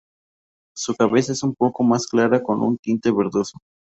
Su cabeza es un poco más clara con un tinte verdoso.